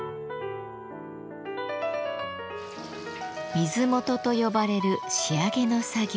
水元と呼ばれる仕上げの作業。